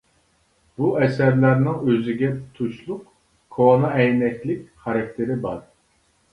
بۇ ئەسەرلەرنىڭ ئۆزىگە تۇشلۇق «كونا ئەينەك» لىك خاراكتېرى بار.